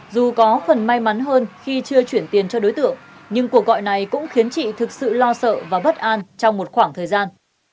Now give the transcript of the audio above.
dù có phần may mắn hơn khi chưa chuyển tiền cho đối tượng nhưng cuộc gọi này cũng khiến chị thực sự lo sợ và bất an trong một khoảng thời gian